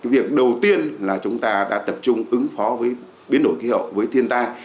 việc đầu tiên là chúng ta đã tập trung ứng phó với biến đổi khí hậu với thiên tai